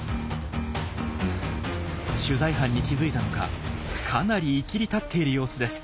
取材班に気付いたのかかなりいきり立っている様子です。